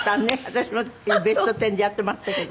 私も『ベストテン』でやってましたけど。